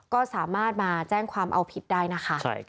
ก็สามารถมาแจ้งความเอาผิดได้นะคะ